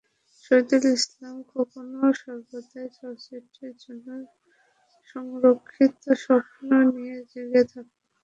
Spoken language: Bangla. শহীদুল ইসলাম খোকনও সর্বদাই চলচ্চিত্রের জন্য সংরক্ষিত স্বপ্ন নিয়ে জেগে থাকত।